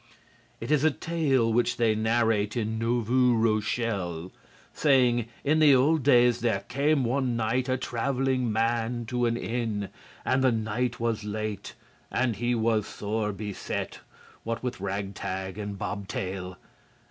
It is a tale which they narrate in Nouveau Rochelle, saying: In the old days there came one night a traveling man to an inn, and the night was late, and he was sore beset, what with rag tag and bob tail.